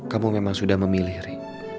kamu memang sudah memilih ri